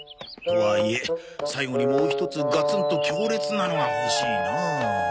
とはいえ最後にもう一つガツンと強烈なのが欲しいな。